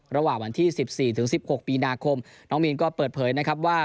ระหว่างวันที่สิบสี่ถึงสิบหกปีนาคมน้องมีนก็เปิดเผยนะครับว่า